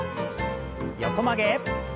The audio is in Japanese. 横曲げ。